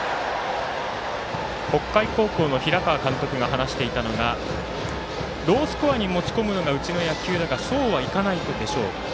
北海高校の平川監督が話していたのがロースコアに持ち込むようなうちの野球はそうはいかないでしょう。